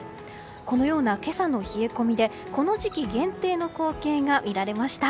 このような今朝の冷え込みでこの時期限定の光景が見られました。